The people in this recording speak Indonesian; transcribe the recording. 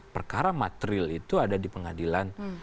perkara material itu ada di pengadilan